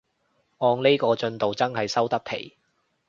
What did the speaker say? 按呢個進度真係收得皮